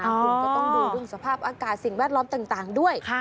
คุณก็ต้องดูเรื่องสภาพอากาศสิ่งแวดล้อมต่างด้วย